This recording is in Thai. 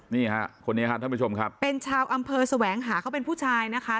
นี่ฮะคนนี้ครับท่านผู้ชมครับเป็นชาวอำเภอแสวงหาเขาเป็นผู้ชายนะคะ